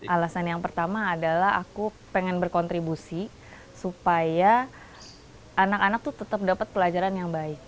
alasan yang pertama adalah aku pengen berkontribusi supaya anak anak tuh tetap dapat pelajaran yang baik